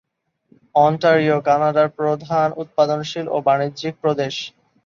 Ontario কানাডার প্রধান উৎপাদনশীল ও বাণিজ্যিক প্রদেশ।